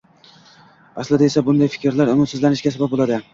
Aslida esa bunday fikrlar umidsizlanishga sabab bo‘ladi